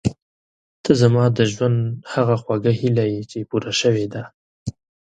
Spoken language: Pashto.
ته زما د ژوند هغه خوږه هیله یې چې پوره شوې ده.